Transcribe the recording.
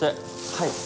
はい。